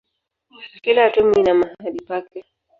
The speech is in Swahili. Kila atomu ina mahali pake.